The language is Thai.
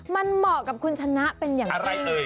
มันเหมาะกับคุณชนะเป็นอย่างไร